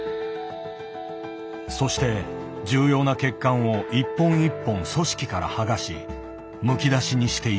そして重要な血管を一本一本組織から剥がしむき出しにしていく。